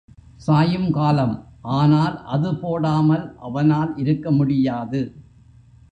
சாயுங்காலம் ஆனால் அது போடாமல் அவனால் இருக்க முடியாது.